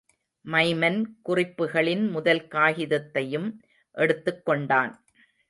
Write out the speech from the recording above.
Maiman குறிப்புகளின் முதல் காகிதத்தையும் எடுத்துக் கொண்டான்.